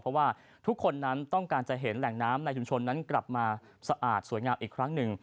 เพราะว่าทุกคนนั้นต้องการจะเห็นแหล่งน้ำในชุมชนนั้นกลับมาสะอาดสวยงามอีกครั้งหนึ่ง